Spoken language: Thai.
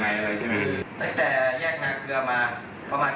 ค่ะเราไม่ได้ตั้งใจแผ่นกับเขา